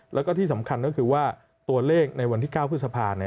แล้วก็ที่สำคัญก็คือว่าตัวเลขในวันที่๙พฤษภา